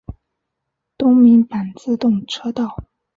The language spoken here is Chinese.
东名阪自动车道。